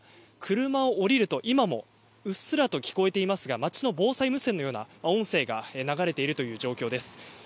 車を降りると今もうっすらと聞こえていますが町の防災無線のような音声が流れているような状況です。